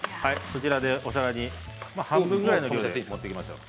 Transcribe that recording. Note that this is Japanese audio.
そちらでお皿に半分くらいの量を盛っていきましょう。